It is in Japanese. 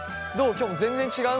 きょも全然違う？